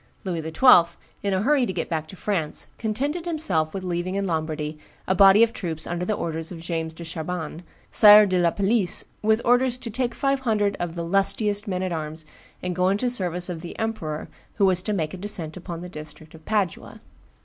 Louis XII., in a hurry to get back to France, contented himself with leaving in Lombardy a body of troops under the orders of James de Chabannes, Sire de la Palisse, with orders "to take five hundred of the lustiest men at arms and go into the service of the emperor, who was to make a descent upon the district of Padua."